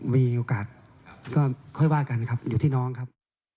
มีโอกาสค่อยว่ากันอยู่ที่นอนครับ